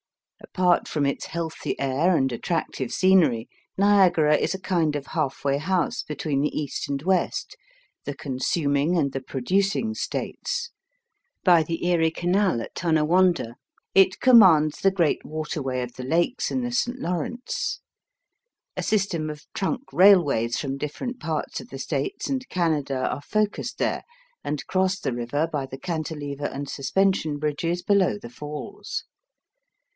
Apart from its healthy air and attractive scenery, Niagara is a kind of half way house between the East and West, the consuming and the producing States. By the Erie Canal at Tonawanda it commands the great waterway of the Lakes and the St. Lawrence. A system of trunk railways from different parts of the States and Canada are focussed there, and cross the river by the Cantilever and Suspension bridges below the Falls.